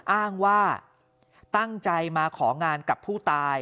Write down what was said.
อ้างว่าตั้งใจมาของานกับผู้ตาย